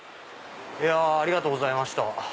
いやありがとうございました。